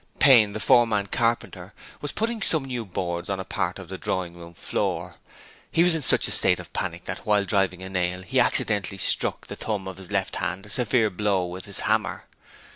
Payne, the foreman carpenter, was putting some new boards on a part of the drawing room floor: he was in such a state of panic that, while driving a nail, he accidentally struck the thumb of his left hand a severe blow with his hammer.